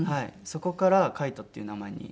そこから「海人」っていう名前に。